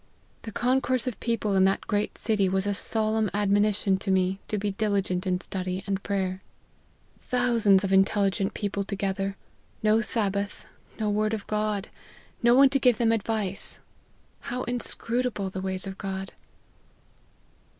The concourse of people in that great city was a solemn admonition to me to be diligent in study and prayer. Thousands of intelligent people 100 LIFE OF HENRY MARTYX. together ; no Sabbath ; no word of God ; no one to give them advice : how inscrutable the ways of God